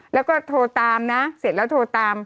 แล้วก็โทรตามนะเสร็จแล้วโทรตาม